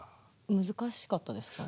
難しかったですか？